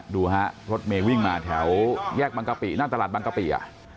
ดูฮะรถเมย์วิ่งมาแถวแยกบางกะปิหน้าตลาดบางกะปิ